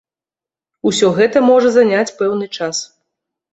Усё гэта можа заняць пэўны час.